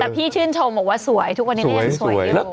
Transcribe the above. แต่พี่ชื่นโทมบอกว่าสวยทุกคนเนี่ย